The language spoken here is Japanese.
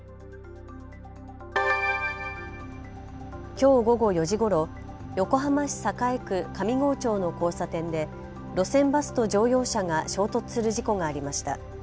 きょう午後４時ごろ横浜市栄区上郷町の交差点で路線バスと乗用車が衝突する事故がありました。